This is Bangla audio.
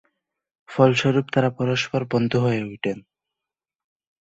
ফলস্বরূপ, তারা পরস্পর বন্ধু হয়ে ওঠেন।